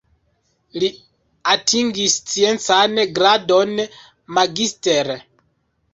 Li atingis sciencan gradon "magister".